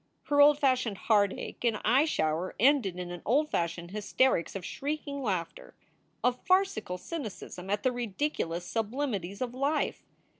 Her old fashioned heartache and eye shower ended in an old fashioned hysterics of shrieking laughter, of farcical cynicism at the ridiculous sublimities of life.